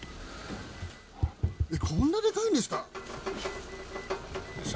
えっ、こんなにでかいんですか？